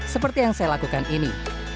seperti yang saya lakukan ini